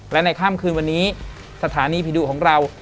แล้วอีกตนหนึ่งอ่ะ